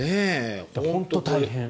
本当に大変。